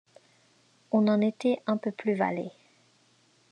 On en était un peu plus valet.